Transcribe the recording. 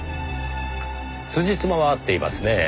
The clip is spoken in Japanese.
つじつまは合っていますねぇ。